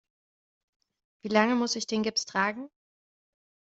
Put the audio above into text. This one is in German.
Wie lange muss ich den Gips tragen?